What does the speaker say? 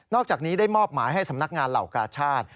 อกจากนี้ได้มอบหมายให้สำนักงานเหล่ากาชาติ